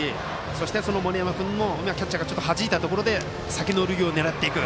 そして、森山君のキャッチャーがはじいたところで先の塁を狙っていく。